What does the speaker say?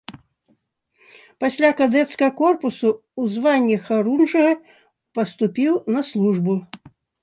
Пасля кадэцкага корпуса ў званні харунжага паступіў на службу.